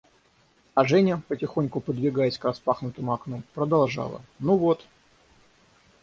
А Женя, потихоньку подвигаясь к распахнутому окну, продолжала: – Ну вот!